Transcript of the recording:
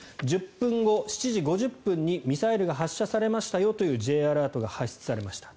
１０分後、７時５０分にミサイルが発射されましたよというＪアラートが発出されました。